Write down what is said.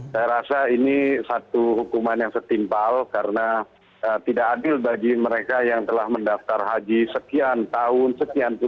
saya rasa ini satu hukuman yang setimpal karena tidak adil bagi mereka yang telah mendaftar haji sekian tahun sekian tahun